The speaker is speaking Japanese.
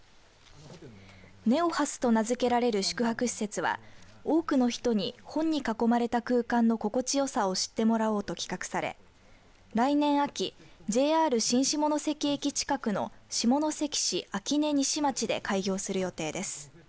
Ｎｅｏｈａｓと名付けられる宿泊施設は多くの人に本に囲まれた空間の心地よさを知ってもらおうと企画され来年秋、ＪＲ新下関駅近くの下関市、秋根西町で開業する予定です。